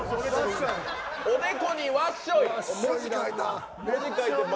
おでこにわっしょい。